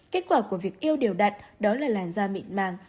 kết quả của việc yêu điều đặt đó là làn da mịn màng